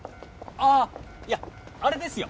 ああいやあれですよ。